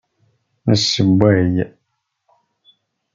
Nessewway.